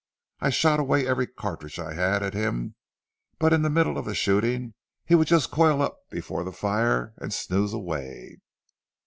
I shot away every cartridge I had at him, but in the middle of the shooting he would just coil up before the fire and snooze away.